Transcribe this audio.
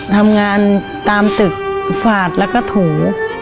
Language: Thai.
ทำงานตามตึกฝาดแล้วก็ถู